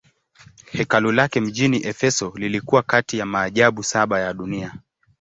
Hekalu lake mjini Efeso lilikuwa kati ya maajabu saba ya dunia.